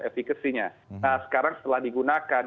efekasinya nah sekarang setelah digunakan